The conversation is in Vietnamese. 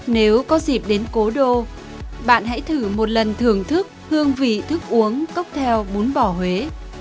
nếu có dịp đến cố đô bạn hãy thử một lần thưởng thức hương vị thức uống cốc theo bún bò huế